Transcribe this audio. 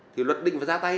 thì luật định phải ra tay